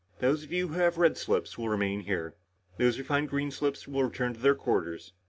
Those of you who have red slips will remain here. Those who find green slips will return to their quarters.